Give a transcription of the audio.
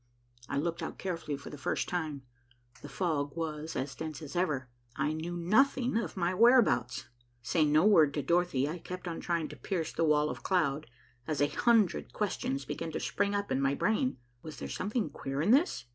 I looked out carefully for the first time. The fog was as dense as ever. I knew nothing of my whereabouts. Saying no word to Dorothy, I kept on trying to pierce the wall of cloud, as a hundred questions began to spring up in my brain. Was there something queer in this?